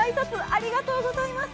ありがとうございます。